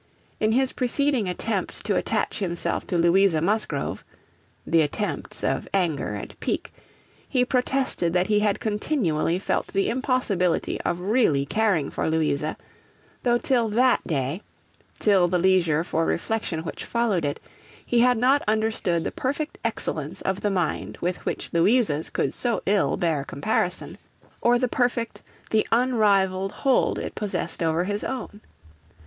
In his preceding attempts to attach himself to Louisa Musgrove (the attempts of anger and pique), he protested that he had continually felt the impossibility of really caring for Louisa, though till that day, till the leisure for reflection which followed it, he had not understood the perfect excellence of the mind with which Louisa's could so ill bear comparison; or the perfect, the unrivalled hold it possessed over his own.